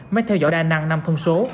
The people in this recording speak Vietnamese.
máy theo dõi đa năng năm thông số